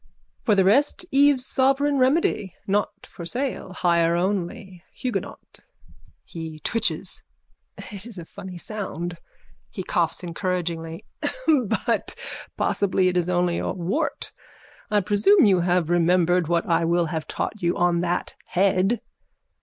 For the rest Eve's sovereign remedy. Not for sale. Hire only. Huguenot. (He twitches.) It is a funny sound. (He coughs encouragingly.) But possibly it is only a wart. I presume you shall have remembered what I will have taught you on that head?